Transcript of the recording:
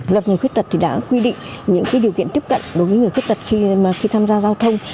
luật người khuyết tật thì đã quy định những điều kiện tiếp cận đối với người khuyết tật khi tham gia giao thông